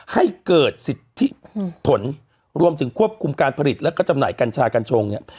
ให้เกิดสิทธิผลรวมถึงควบคุมการผลิตแล้วก็จำหน่ายกัญชากัญชงเนี่ย